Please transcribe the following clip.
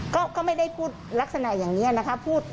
ก็ไม่ได้พูดลักษณะอย่างนี้นะคะ